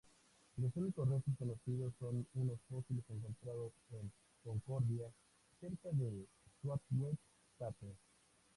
Los únicos restos conocidos son unos fósiles encontrados en Concordia, cerca de Southwest Cape.